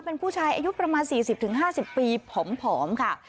เป็นผู้ชายอายุประมาณสี่สิบถึงห้าสิบปีผอมผอมค่ะ